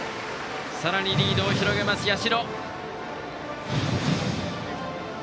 さらにリードを広げます、社。